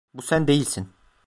Bu sen değilsin.